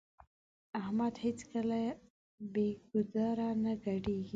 احمد هيڅکله بې ګودره نه ګډېږي.